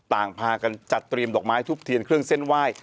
ต่างพากันจัดเตรียมดอกไม้ทุบเทียนเครื่องเส้นไหว้